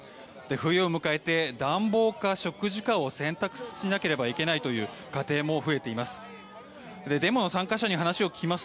冬を迎えて、暖房か食事かを選択しなければならないという家庭も増えています。